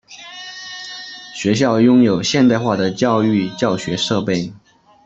学校拥有现代化的教育教学设备。